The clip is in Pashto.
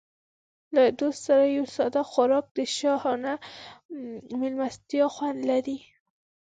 له دوست سره یو ساده خوراک د شاهانه مېلمستیا خوند لري.